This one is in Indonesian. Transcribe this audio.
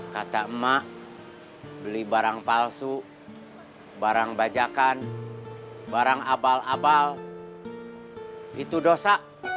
kata emak beli barang palsu barang bajakan barang abal abal itu dosa